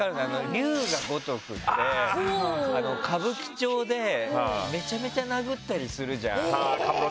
「龍が如く」って歌舞伎町でめちゃめちゃ殴ったりするじゃん。